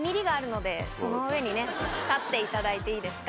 その上にね立っていただいていいですか？